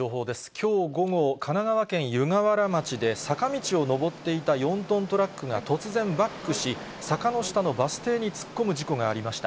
きょう午後、神奈川県湯河原町で、坂道を上っていた４トントラックが突然バックし、坂の下のバス停に突っ込む事故がありました。